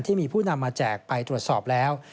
ที่มีผู้นำมาแจกไปตรวจสอบแล้ว